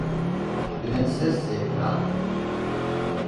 Prenses Zehra…